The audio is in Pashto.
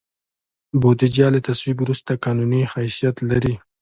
بودیجه له تصویب وروسته قانوني حیثیت لري.